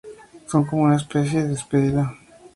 Son como una especie de despedida.